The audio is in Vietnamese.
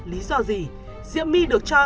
lý do gì diễm my được cho